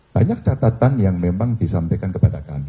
banyak catatan yang memang disampaikan kepada kami